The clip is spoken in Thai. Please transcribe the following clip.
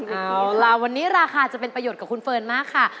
เอาล่ะวันนี้ราคาจะเป็นประโยชน์กับคุณเฟิร์นมากค่ะ